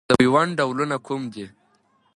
د پیوند ډولونه کوم دي؟